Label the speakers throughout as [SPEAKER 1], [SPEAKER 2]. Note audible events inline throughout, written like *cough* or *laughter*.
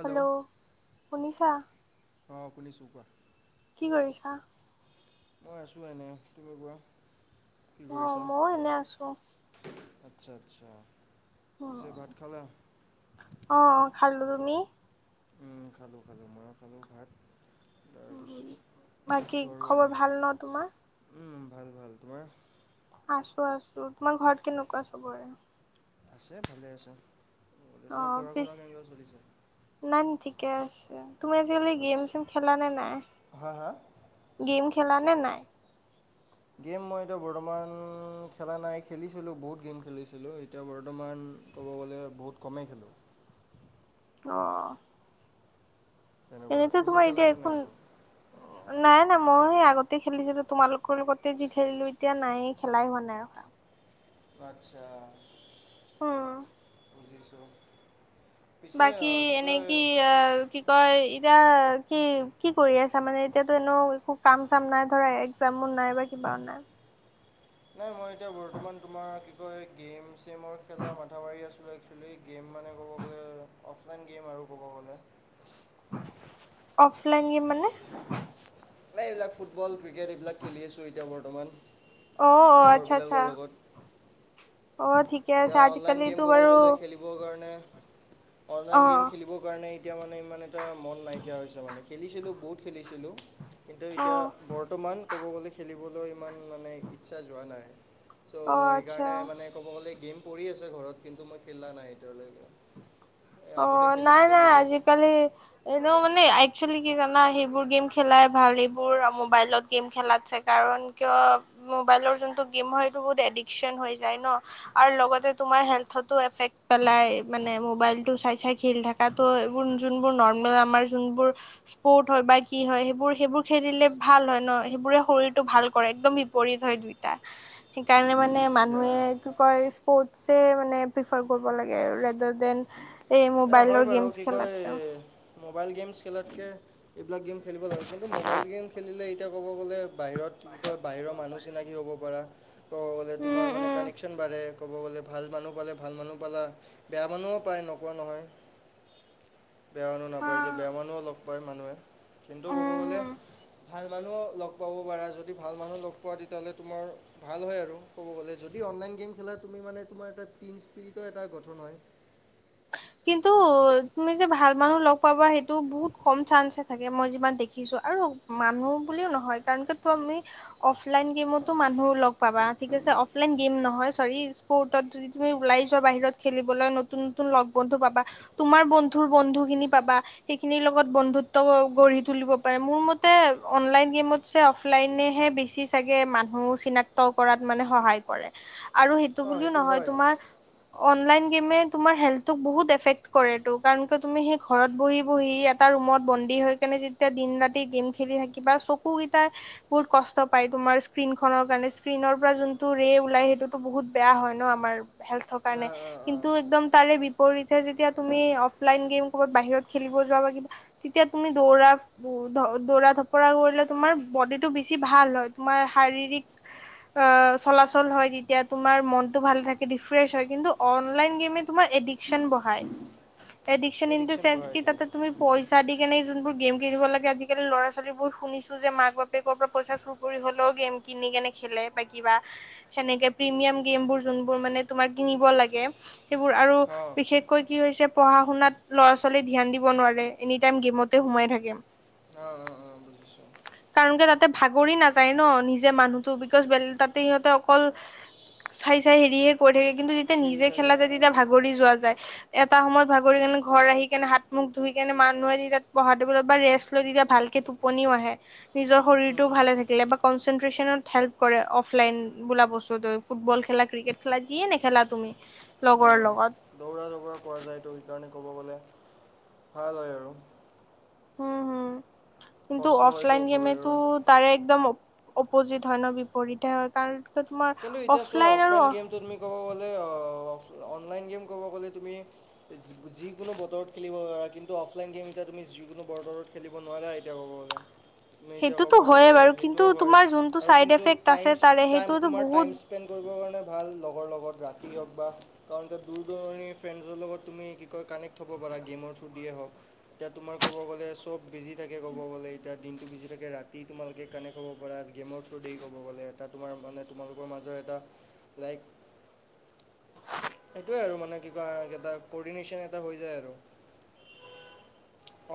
[SPEAKER 1] Hello, শুনিছা?
[SPEAKER 2] অ', শুনিছো কোৱা?
[SPEAKER 1] কি কৰিছা?
[SPEAKER 2] মই আছো এনে। তুমি কোৱা, কি
[SPEAKER 1] অ
[SPEAKER 2] কৰিছা?
[SPEAKER 1] ময়ো এনে আছো
[SPEAKER 2] আচ্ছা আচ্ছা, পিছে ভাত খালা?
[SPEAKER 1] অ', অ', খালো। তুমি?
[SPEAKER 2] উম, খালো খালো, মইও খালো ভাত। তাৰপিছত
[SPEAKER 1] বাকী
[SPEAKER 2] আছো আৰু
[SPEAKER 1] খবৰ
[SPEAKER 2] এনে।
[SPEAKER 1] ভাল ন তোমাৰ
[SPEAKER 2] উম, ভাল ভাল। তোমাৰ?
[SPEAKER 1] আছো আছো, তোমাৰ ঘৰত কেনেকুৱা চবৰে?
[SPEAKER 2] আছে, ভালে আছে। বোলে তোমাৰ
[SPEAKER 1] অ',
[SPEAKER 2] পঢ়া
[SPEAKER 1] পিচ,
[SPEAKER 2] শুনা কেনেকুৱা চলিছে
[SPEAKER 1] নাই ঠিকে আছে। তুমি আজিকালি
[SPEAKER 2] আচ্ছা
[SPEAKER 1] গেম-চেম খেলা নে নাই,
[SPEAKER 2] হা হা
[SPEAKER 1] গেম খেলা নে নাই?
[SPEAKER 2] গেম মই এতিয়া বৰ্তমান খেলা নাই, খেলিছিলো বহুত গেম খেলিছিলো এতিয়া বৰ্তমান ক'ব গ'লে বহুত কমেই খেলো।
[SPEAKER 1] অ'।
[SPEAKER 2] তেনেকুৱা
[SPEAKER 1] এনেতো
[SPEAKER 2] তুমি
[SPEAKER 1] তোমাৰ ইতিয়া
[SPEAKER 2] খেলানে নাই
[SPEAKER 1] একো
[SPEAKER 2] আকৌ
[SPEAKER 1] নাই নাই, মইও সেই আগতে খেলিছিলো তোমালোকৰ লগতে যি খেলিলো এতিয়া নাই খেলাই হোৱা নাই আৰু।
[SPEAKER 2] আচ্ছা।
[SPEAKER 1] অ'।
[SPEAKER 2] বুজিছো।
[SPEAKER 1] বাকী এনে কি আ, কি? তই এতিয়া কি, কি কৰি আছা মানে? এতিয়াতো এনেও একো কাম-চাম নাই ধৰা এক্সামো নাই বা কিবাও নাই।
[SPEAKER 2] নাই মই এতিয়া বৰ্তমান তোমাৰ কি কয় গেম-চেমৰ খেলা মাথা মাৰি আছিলো একচেলি গেম মানে ক'ব গ'লে অফলাইন গেম আৰু ক'ব গ'লে।
[SPEAKER 1] অফলাইন গেম মানে?
[SPEAKER 2] এইবিলাক ফুটবল, ক্ৰিকেট এইবিলাক খেলি আছোঁ এতিয়া বৰ্তমান
[SPEAKER 1] অ অ আচ্ছা আচ্ছা
[SPEAKER 2] লগৰবিলাকৰ লগত।
[SPEAKER 1] অ', ঠিক
[SPEAKER 2] এতিয়া অনলাইন গেম ক'ব গ'লে খেলিবৰ কাৰণে,
[SPEAKER 1] অ
[SPEAKER 2] অনলাইন গেম খেলিবৰ কাৰণে এতিয়া মানে ইমান এটা মন নাইকিয়া হৈছে মানে, খেলিছিলোঁ বহুত খেলিছিলোঁ। কিন্তু
[SPEAKER 1] অ
[SPEAKER 2] এতিয়া বৰ্তমান ক'ব গ'লে খেলিবলৈ ইমান মানে ইচ্ছা যোৱা নাই। চ',
[SPEAKER 1] অ
[SPEAKER 2] সেইকাৰণে
[SPEAKER 1] আচ্ছা
[SPEAKER 2] মানে ক'ব গ'লে গেম পৰি আছে ঘৰত কিন্তু মই খেলা নাই এতিয়ালৈকে। এ,
[SPEAKER 1] অ',
[SPEAKER 2] আগতে
[SPEAKER 1] নাই
[SPEAKER 2] খেলিছিলোঁ
[SPEAKER 1] নাই
[SPEAKER 2] বহুত
[SPEAKER 1] আজিকালি এনেও মানে একচুৱেলি কি জানা, সেইবোৰ গেম খেলাই ভাল এইবোৰ মোবাইলত গেম খেলাতছে, কাৰণ কিয় মোবাইলৰ যোনটো গেম হয় সেইটো বহুত এডিকশচন হৈ যায় ন'। আৰু লগতে তোমাৰ হেল্থটো এফেক্ট পেলাই, মানে মবাইল টো চাই-চাই খেলি থাকা ত', এইবোৰ যোনবোৰ নৰ্মেল আমাৰ যোনবোৰ স্পৰ্ট হয় বা কি হয় সেইবোৰ সেইবোৰ খেলিলে ভাল হয় ন, সেইবোৰে শৰীৰটো ভাল কৰে একদম বিপৰীত হয়। সেইকাৰণে মানে
[SPEAKER 2] ইয়া
[SPEAKER 1] মানুহে কি কয়, স্পৰ্টছে মানে প্ৰিফাৰ কৰিব লাগে ৰেডাৰ দেন এই
[SPEAKER 2] এ হয়
[SPEAKER 1] মোবাইলৰ
[SPEAKER 2] বাৰু,
[SPEAKER 1] গেমছ
[SPEAKER 2] কি কয়
[SPEAKER 1] খেলাতছে।
[SPEAKER 2] মোবাইল গেমছ খেলাতকে, এইবিলাক গেম খেলিব লাগে কিন্তু মোবাইল গেম খেলিলে এতিয়া ক'ব গ'লে বাহিৰত কি কয়, বাহিৰৰ মানুহ চিনাকি হ'ব পাৰা। ক'ব গলে তোমাৰ
[SPEAKER 1] উম
[SPEAKER 2] মানে
[SPEAKER 1] উম
[SPEAKER 2] কানেকশ্যন বাঢ়ে। ক'ব গ'লে ভাল মানুহ পালে ভাল মানুহ পালা, বেয়া মানুহো পায় ন'। কোৱা নহয়। বেয়া মানুহ
[SPEAKER 1] হা
[SPEAKER 2] নাপাই যে, বেয়া মানুহ অলপ কয় মানুহে, কিন্তু ক'ব গ'লে
[SPEAKER 1] উম
[SPEAKER 2] ভাল মানুহ লগ পাব পাৰা, যদি ভাল মানুহ লগ পোৱা তেতিয়াহ'লে তোমাৰ ভাল হয় আৰু ক'ব গ'লে, যদি অনলাইন গেম খেলা তুমি মানে তোমাৰ এটা টিন স্পিৰিটৰ এটা গঠন হয়।
[SPEAKER 1] কিন্তু তুমি যে ভাল মানুহ লগ পাবা সেইটো বহুত কম চান্স থাকে মই যিমান দেখিছো, আৰু মানুহ বুলিও নহয় কাৰণটো কিয় আমি অফলাইন গেমতো মানুহ লগ পাবা ঠিক আছে অফলাইন গেম নহয় চৰি কৰ্টত যদি তুমি ওলাই যোৱা বাহিৰত খেলিবলৈ নতুন-নতুন লগ বন্ধু পাবা। তোমাৰ বন্ধুৰ বন্ধু খিনি পাবা। সেইখিনিৰ লগত বন্ধুত্ব গঢ়ি তুলিব পাৰে মোৰ মতে অনলাইন গেমত অফলাইনেহে বেছি চাগে মানুহ চিনাক্ত কৰাত মানে সহায় কৰে। আৰু সেইটো
[SPEAKER 2] অঁ
[SPEAKER 1] বুলিও নহয়,
[SPEAKER 2] হয়
[SPEAKER 1] তোমাৰ অনলাইন গেমে তোমাৰ হেল্থোক বহুত এফেক্ট কৰেতটো কাৰণ কিয় তুমি সেই ঘৰত বহি-বহি এটা ৰুমত বন্দী হৈ কেনে যি তেতিয়া দিন ৰাতি গেম খেলি থাকিবা চকুকেইটাৰ বহুত কষ্ট পাই তোমাৰ স্ক্ৰীন খনৰ কাৰণে, স্ক্ৰীনৰ পৰা যোনটো ৰে ওলাই সেইটোতো বহুত বেয়া হয় ন আমাৰ হেল্থৰ কাৰণে।
[SPEAKER 2] অঁ অঁ অঁ
[SPEAKER 1] কিন্তু একদম তাৰে বিপৰীতে যেতিয়া তুমি অফলাইন গেম ক'বাত বাহিৰত খেলিব যোৱা বা কিবা যেতিয়া তুমি দৌৰা দৌৰা ধপৰা কৰিলে তোমাৰ বডিটো বেছি ভাল হয়, তোমাৰ শাৰীৰিক চলাচল হয় তেতিয়া তোমাৰ মনতটো ভাল থাকে ৰিফ্ৰেছ হয় কিন্তু অনলাইন গেম তোমাৰ এদিকচন বঢ়ায়। এদিকচন ইন দা
[SPEAKER 2] এডিকশ্যন
[SPEAKER 1] সেঞ্চে
[SPEAKER 2] বঢ়াই
[SPEAKER 1] কি
[SPEAKER 2] দিয়ে
[SPEAKER 1] তাতে তুমি পইচা দি সে যোনবোৰ গেম খেলিব লাগে আজিকালি ল'ৰা ছোৱালীবোৰ শুনিছোঁ যে মাক বাপেকৰ পৰা পইচা চুৰ কৰি হলেও গেম কিনি কেনে খেলে বা কিবা সেনেকে প্ৰিমিয়াম গেম বোৰ যোনবোৰ মানে তোমাৰ কিনিব লাগে সেইবোৰ আৰু
[SPEAKER 2] অঁ অঁ
[SPEAKER 1] বিশেষ কৈ কি হৈছে পঢ়া শুনাত ল'ৰা ছোৱালী ধ্যান দিব নোৱাৰে এনি টাইম গেমতে সোমাই থাকিম।
[SPEAKER 2] অ', অ', অ', বুজিছোঁ।
[SPEAKER 1] কাৰণ কিয় তাতে ভাগৰি নাযায় ন? নিজে মানুহতো বিকজ তাতে সিহঁতে অকল চাই-চাই হেৰিহে কৰী থাকে কিন্তু যেতিয়া
[SPEAKER 2] খেল
[SPEAKER 1] নিজে
[SPEAKER 2] থাকে
[SPEAKER 1] খেলা যদি যোৱা যায় এটা সময়ত ভাগৰি কেনে ঘৰ আহি কেনে হাত মুখ ধুই কেনে মানুহে তেতিয়া পঢ়াত ৰেষ্ট লৈ তেতিয়া ভালকে টোপনিও আহে নিজৰ শৰীৰটোও
[SPEAKER 2] উম,
[SPEAKER 1] ভালে থাকিলে বা কনচেনট্ৰেচনত হেল্প কৰে অফলাইন বোলা বস্তুটো ফুটবল খেলা ক্ৰিকেট খেলা যিয়ে নেখেলা তুমি। লগৰ লগত
[SPEAKER 2] দৌৰা দবৰা কৰা যায় তো সেইকাৰণে ক'ব গ'লে, ভাল হয় আৰু।
[SPEAKER 1] উম হুম। কিন্তু
[SPEAKER 2] কষ্ট হয়তো
[SPEAKER 1] অফলাইন
[SPEAKER 2] শৰীৰৰ
[SPEAKER 1] গেমেতো তাৰে একদম অপজিত হয় ন বিপৰীতে হয় কাৰণ তোমাৰ
[SPEAKER 2] কিন্তু এতিয়া চোৱা
[SPEAKER 1] অফলাইন আৰু
[SPEAKER 2] গেমটো তুমি ক'ব গলে অ, অনলাইন গেম ক'ব গলে তুমি যিকোনো বতৰত খেলিব পাৰা কিন্তু অফলাইন গেম এতিয়া তুমি যিকোনো বতৰত খেলিব নোৱাৰা এতিয়া ক'ব গ'লে।
[SPEAKER 1] *inaudible*
[SPEAKER 2] তুমি এতিয়া ক'ব
[SPEAKER 1] হয়ে
[SPEAKER 2] গ'লে
[SPEAKER 1] বাৰু কিন্তু
[SPEAKER 2] সেইটোও হয়
[SPEAKER 1] তোমাৰ যোনটো
[SPEAKER 2] আৰু
[SPEAKER 1] চাইড
[SPEAKER 2] কিন্তু
[SPEAKER 1] এফেক্ট
[SPEAKER 2] টাইমছ
[SPEAKER 1] আছে তাৰে
[SPEAKER 2] টাইম
[SPEAKER 1] সেইটোতো
[SPEAKER 2] তোমাৰ টাইম
[SPEAKER 1] বহুত
[SPEAKER 2] স্পেণ্ড কৰিবৰ কাৰণে ভাল লগৰ লগত ৰাতি হওঁক বা কাৰণ এতিয়া দূৰ দূৰণি ফ্ৰেণ্ডছৰ লগত তুমি কৈ কানেক্ট হ'ব পাৰা গেমৰ থ্ৰদিয়ে হওঁক। এতিয়া তোমাৰ ক'ব গ'লে চ'ব বিজি থাকে ক'ব গ'লে এতিয়া দিনটো বিজি থাকে ৰাতি তোমালোকে কানেক্ ক'ব পৰা গেমৰ থ্ৰদে ক'ব গ'লে এটা তোমাৰ মানে তোমালোকৰ মাজৰ এটা লাইক, সেইটোৱেই আৰু মানে। কি কয় এটা কৰ্ডিনেশ্যন এটা হৈ যায় আৰু।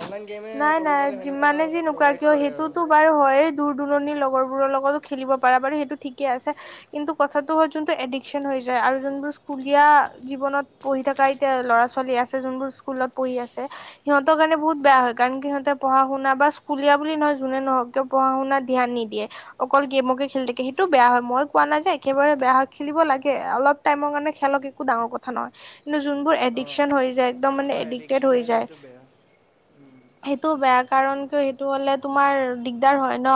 [SPEAKER 2] অনলাইন গেমে
[SPEAKER 1] নাই
[SPEAKER 2] ক'ব
[SPEAKER 1] নাই
[SPEAKER 2] গ'লে সেনেকুৱা
[SPEAKER 1] যিমানে যি নোকোৱা
[SPEAKER 2] প্ৰভাইড
[SPEAKER 1] কিয়
[SPEAKER 2] কৰে আৰু।
[SPEAKER 1] সেইটোতো বাৰু হয় দূৰ দূৰণিৰ লগৰ বোৰৰ লগতো খেলিব পাৰা বাৰু সেইটো ঠিকে আছে। কিন্তু কথাটো হয় যোনটো এডিকচন হৈ যায় আৰু যোনবোৰ স্কুলীয়া জীৱনত পঢ়ি থকা এতিয়া ল'ৰা ছোৱালী আছে যোনবোৰ স্কুলত পঢ়ি আছে সিহঁতৰ কাৰণে বহুত বেয়া কাৰণ কি সিহঁতে পঢ়া শুনা বা স্কুলীয়া বুলি নহয় যোনে নহওঁক কিয় পঢ়া শুনা ধ্যান নিদিয়ে। অকল গেমকে খেলি থাকে সেইটো বেয়া হয়। মই কোৱা নাই যে একেবাৰে বেয়া হয় খেলিব লাগে অলপ টাইমৰ কাৰণে খেলক একো ডাঙৰ কথা নহয়। যোনবোৰ
[SPEAKER 2] অঁ
[SPEAKER 1] এডিকচন হৈ যায় একদম মানে এডিকটেড হৈ যায়
[SPEAKER 2] উম।
[SPEAKER 1] সেইটো বেয়া কাৰণ কিয় সেইটো হলে তোমাৰ দিগদাৰ হয় ন?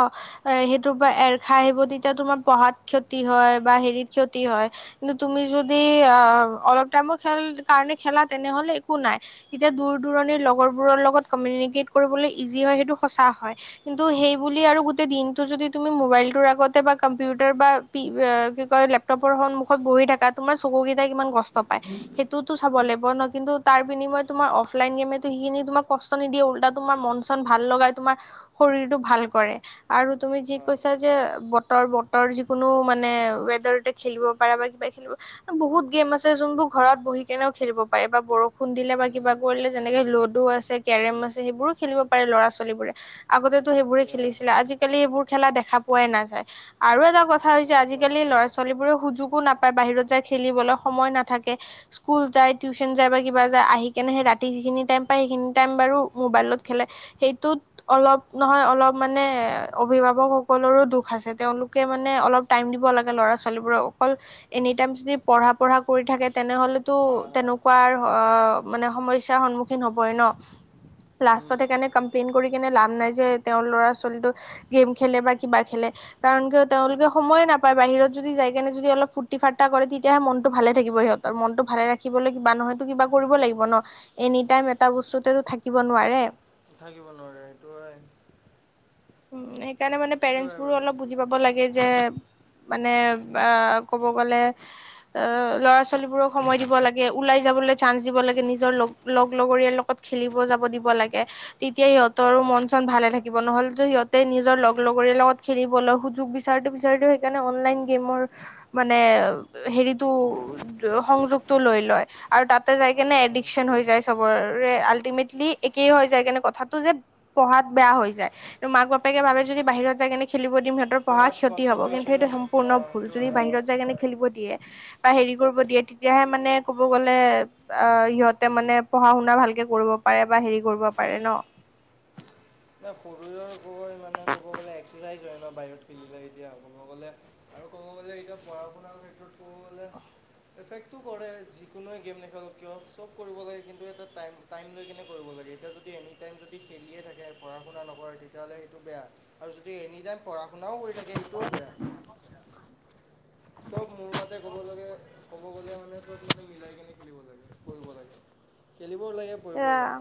[SPEAKER 1] সেইটোৰ পৰা খাই আহিব তেতিয়া তোমাৰ পঢ়াত ক্ষতি হয় বা হেৰিত ক্ষতি হয়। কিন্তু তুমি যদি আহ অলপ টাইমৰ খেল কাৰণে খেলা তেনেহলে একো নাই। এতিয়া দূৰ দূৰণিৰ লগৰবোৰৰ লগত কমিউনিকেট কৰিবলৈ ইজি হয় সেইটো সঁচা হয়। কিন্তু সেইবুলি আৰু গোটেই দিনটো যদি তুমি মোবাইলটোৰ আগতে বা কম্পিউটাৰ বা- কি কয় লেপটপৰ সন্মুখত বহি থকা তোমাৰ চকু কেইটাই কিমান কষ্ট পায়। সেইটোতো চাব লাগিব ন কিন্তু তাৰ বিনিময় তোমাৰ অফলাইন গেমো সেইখিনি তোমাক- কষ্ট নিদিয়ে উল্টা তোমাৰ মন চন ভাল লগাই তোমাৰ শৰীৰটো ভাল কৰে। আৰু তুমি যি
[SPEAKER 2] অঁ
[SPEAKER 1] কৈছা যে বতৰ বতৰ যিকোনো মানে ৱেডাৰ- খেলিব পাৰ বা কিবা খেলিব। বহুত গেম আছে যোনবোৰ ঘৰত বহি কেনেও খেলিব পাৰে বা বৰষুণ দিলে বা কিবা
[SPEAKER 2] উম,
[SPEAKER 1] কৰিলে যেনেকে লুডু আছে। কেৰম আছে সেইবোৰো খেলিব পাৰে ল'ৰা ছোৱালী বোৰে, আগতেতো সেইবোৰে
[SPEAKER 2] ইয়া
[SPEAKER 1] খেলিছিলে আজি- কালি এইবোৰ খেলা দেখা পোৱাই নাযায়, আৰু এটা কথা হৈছে
[SPEAKER 2] নাই পোৱা
[SPEAKER 1] আজিকালি
[SPEAKER 2] নাযায়
[SPEAKER 1] ল'ৰা ছোৱালী বোৰে সুযোগো নাপ- পায় বাহিৰত যাই খেলিবলৈ সময় নাথাকে। স্কুল যায় টিউচন যায় বা কিবা যায় আহি কেনে সেই ৰাতি যিখিনি টাইম পায় সেইখিনি- টাইম বাৰু মোবাইলত খেলে সেইটোত- অলপ নহয় অলপ মানে অভিভাৱকসকলৰো দুখ আছে, তেওঁলোকে মানে অলপ- টাইম দিব লাগে ল'ৰা ছোৱালীবোৰক, অকল এনি টাইম যদি পঢ়া পঢ়া কৰি থাকে তেনেহ'লে- তো
[SPEAKER 2] হা হা
[SPEAKER 1] তেনেকুৱাৰ অ মানে সমস্যা সন্মুখীন হবই ন। লাষ্টত
[SPEAKER 2] উম,
[SPEAKER 1] সেইকাৰণে কমপ্লেইন কৰি কেনে লাভ নাই যে তেওঁৰ ল'ৰা ছোৱালীটো- গেম খেলে বা কিবা খেলে। কাৰণ কিয় তেওঁলোকে সময়ে নাপায় বাহিৰত যদি যাই কেনে যদি অলপ ফূ্তি ফাৰ্তা কৰে তেতিয়াহে মনতটো ভালে থাকিব ইহত। ত মনতটো ভালে ৰাখিবলৈ কিবা নহয়তো কিবা কৰিব লাগিব ন, এনি টাইম এটা বস্তুত- তো থাকিব নোৱাৰে-
[SPEAKER 2] থাকিব নোৱাৰে সেইটো হয়।
[SPEAKER 1] উম, সেইকাৰণে মানে
[SPEAKER 2] সেইটো
[SPEAKER 1] পেৰেন্টছ
[SPEAKER 2] হয়
[SPEAKER 1] বোৰ
[SPEAKER 2] বাৰু
[SPEAKER 1] অলপ- বুজি পাব লাগে যে মানে আহ ক'ব গ'লে- আহ ল'ৰা ছোৱালীবোৰক সময় দিব লাগে, ওলাই যাবলৈ চান্স দিব লাগে নিজৰ লগ- লগ লগৰীয়াৰ লগত খেলিব যাব দিব লাগে, তেতিয়া
[SPEAKER 2] হা
[SPEAKER 1] সিহঁতৰো মন চন ভালে থাকিব। নহ'ল- সিহঁতে নিজৰ লগৰ লগত খেলিবলৈ সুযোগ বিচাৰোতে বিচাৰোতে সেইকাৰণে অনলাইন গেমৰ- মানে হেৰিতটো সংযোগটো লৈ লয়। আৰু তাতে যাই
[SPEAKER 2] হা,
[SPEAKER 1] কেনে
[SPEAKER 2] সেইটো
[SPEAKER 1] এডিকচন হৈ
[SPEAKER 2] হয়
[SPEAKER 1] যায় চবৰে আল্টিমেটলি একেই হৈ যায় কেনে কথাটো যে- পঢ়াত বেয়া হৈ যায়, মাক বাপেকে ভাবে
[SPEAKER 2] উম,
[SPEAKER 1] যদি বাহিৰত যায় কেনে খেলিব- সিহঁতৰ পঢ়া
[SPEAKER 2] পঢ়াত
[SPEAKER 1] ক্ষতি হব কিন্তু
[SPEAKER 2] কনচেনট্ৰেশ্যন
[SPEAKER 1] সেইটো সম্পূৰ্ণ ভুল
[SPEAKER 2] সেইটো
[SPEAKER 1] যদি
[SPEAKER 2] হয়
[SPEAKER 1] বাহিৰত যায় কেনে খেলিব দিয়ে। বা হেৰি কৰিব দিয়ে তেতিয়াহে মানে কব গ'লে। অ ইহঁতে মানে পঢ়া শুনা ভালকে কৰিব পাৰে বা হেৰি কৰিব পাৰে ন।
[SPEAKER 2] নে শৰীৰৰ গৈ মানে ক'ব গ'লে এক্সাৰচাইজ হয় ন বাহিৰত পিলিলে এতিয়া হ'ব গ'লে আৰু ক'ব গ'লে এতিয়া পঢ়া শুনাৰ ক্ষেত্ৰত ক'ব গ'লে- এফেক্টটো কৰে যিকোনোৱে গেম নেখেলক কিয় চব কৰিব লাগে কিন্তু এটা টাইম টাইম লৈ কিনে কৰিব লাগে এতিয়া য- দি এনি টাইম যদি খেলিয়ে থাকে। পঢ়া শুনা নকৰে তেতিয়াহ'লে সেইটো বেয়া, আৰু যদি এনি টাইম পঢ়া শুনাও কৰি থাকে সেইটোও বেয়া চব মোৰ মতে ক'ব লাগে। ক'ব গ'লে মানে চব মিলাই কেনে খেলিব লাগে কৰিব লাগে খেলিবও লাগে।
[SPEAKER 1] এ,
[SPEAKER 2] পঢ়িবও লাগে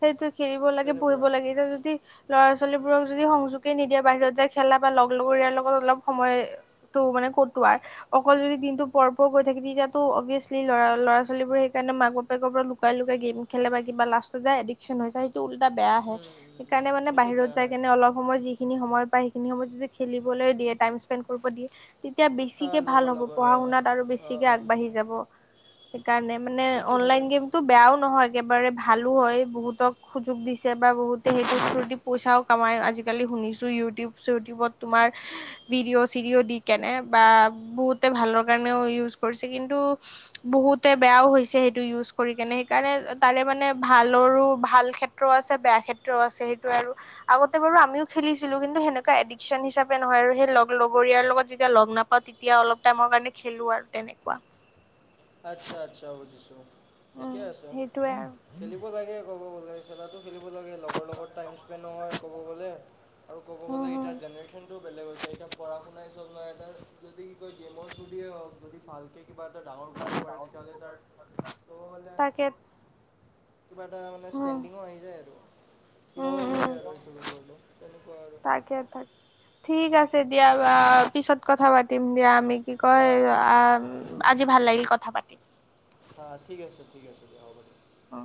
[SPEAKER 1] সেইটো খেলিব লাগে বহিব
[SPEAKER 2] তেনেকুৱা
[SPEAKER 1] লাগে এতিয়া যদি- ল'ৰা ছোৱালীবোৰক যদি সংযোগে নিদিয়ে বাহিৰত যায় খেলা বা লগৰীয়াৰ লগত অলপ সময়- তটো মানে ক'তো আৰু- অকল যদি দিনতটো পঢ় পঢ় কৈ থাকে তেতিয়াটো অভিয়াচলি লৰা ল'ৰা ছোৱালীবোৰ সেইকাৰণে মাক বাপেকৰ পৰা- লুকাই লুকাই গেম খলে বা কিবা লাষ্টত য এডিকশ্ন হৈ যায়। টো উল্টা বেয়াহে।
[SPEAKER 2] উম, উম, উম,
[SPEAKER 1] সেইকাৰণে মানে
[SPEAKER 2] সেইটো
[SPEAKER 1] বাহিৰত
[SPEAKER 2] বেয়া
[SPEAKER 1] যাই
[SPEAKER 2] হয়
[SPEAKER 1] কেনে অলপ সময় যিখিনি সময়- সেইখিনি সময়ত যদি খেলিবলৈ দিয়ে, টাইম স্পেনড কৰিব দিয়ে। তেতিয়া
[SPEAKER 2] হা
[SPEAKER 1] বেছিকে
[SPEAKER 2] লগৰ
[SPEAKER 1] ভাল হ'ব,
[SPEAKER 2] লগৰ
[SPEAKER 1] পঢ়া
[SPEAKER 2] অ'
[SPEAKER 1] শুনাত আৰু
[SPEAKER 2] অ'
[SPEAKER 1] বেছিকে
[SPEAKER 2] অ'
[SPEAKER 1] আগবাঢ়ি যাব। সেইকাৰণে মানে
[SPEAKER 2] সেইটো
[SPEAKER 1] অনলাইন
[SPEAKER 2] হয়
[SPEAKER 1] গেম- টো বেয়াও নহয় একেবাৰে ভালো হয় বহুতক সুযোগ দিছে বা বহুতে সেইটো থুৰোদি পইচাও কামাই আজিকালি শুনিছোঁ ইউটিউব চিউটিউবত তোমাৰ ভিডিঅ' চিডিঅ দি কেনে বা বহুতে ভালৰ কাৰণেও ইউজ কৰিছে কিন্তু বহুতে বেয়াও হৈছে সেইটো ইউজ কৰি কেনে সেইকাৰণে তাৰে মানে ভালৰো ভাল ক্ষেত্ৰও আছে বেয়া ক্ষেত্ৰও আছে সেইটোৱে আৰু আগতে বাৰু আমিও খেলিছিলো কিন্তু সেনেকুৱা এডিকশ্ন হিচাপে নহয় আৰু সেই লগৰীয়াৰ লগত যেতিয়া লগ নাপাওঁ তে তিয়া অলপ টাইমৰ কাৰণে খেলো আৰু তেনেকুৱা
[SPEAKER 2] আচ্ছা আচ্ছা বুজিছো
[SPEAKER 1] উম
[SPEAKER 2] ঠিকে আছ
[SPEAKER 1] সেইটোৱে আৰু
[SPEAKER 2] খেলিব লাগে ক'ব গ'লে খেলাটো খেলিব লাগে লগৰ লগত টাইম স্পেণ্ড হয় ক'ব গ'লে। আৰু ক'ব
[SPEAKER 1] উম
[SPEAKER 2] গ'লে
[SPEAKER 1] হম
[SPEAKER 2] এতিয়াৰ জেনেৰেশ্যনটো বেলেগ হৈছে এতিয়া পঢ়া শুনাই চব নহয় এটা কি কয় গেমৰ থুৰুদিয়ে হওক যদি ভালকে কিবা এটা ডাঙৰ কৰিব পাৰে তেতিয়াহ'লে ত' হ'লে
[SPEAKER 1] তাকে
[SPEAKER 2] কিবা এটা মানে
[SPEAKER 1] উম
[SPEAKER 2] ষ্টেণ্ডিঙো আহি যায় আৰু
[SPEAKER 1] উম
[SPEAKER 2] কিয়ও কৰে আৰু এইটো লোকৰলো তেনেকুৱা আৰু
[SPEAKER 1] একে তাক ঠিক আছে দিয়া বা পিছত কথা পাতিম দিয়া আমি কি কয়
[SPEAKER 2] হা
[SPEAKER 1] আজি ভাল লাগিল কথা পাতিম।
[SPEAKER 2] অ ঠিক আছে ঠিক আছে দিয়া হ'ব দিয়ক।
[SPEAKER 1] অ